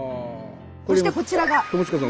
そしてこちらが。